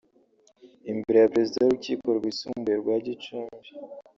Imbere ya Perezida w’Urukiko Rwisumbuye rwa Gicumbi